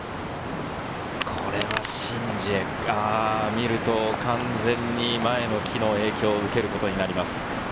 これはシン・ジエ、完全に前の木の影響を受けることになります。